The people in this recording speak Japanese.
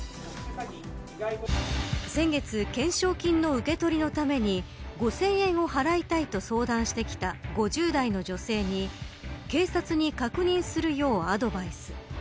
先月、懸賞金の受け取りのために５０００円を払いたいと相談してきた５０代の女性に警察に確認するようアドバイス。